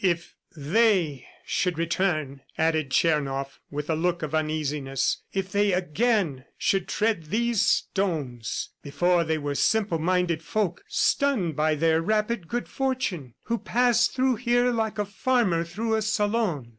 "If THEY should return!" added Tchernoff with a look of uneasiness. "If they again should tread these stones! ... Before, they were simple minded folk, stunned by their rapid good fortune, who passed through here like a farmer through a salon.